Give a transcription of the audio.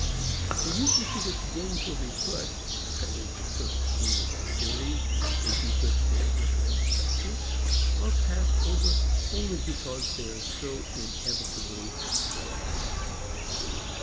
The uses to which gains will be put, that is the current scheme of activities into which they enter as factors, are passed over only because they are so inevitably present.